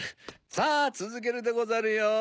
さぁつづけるでござるよ。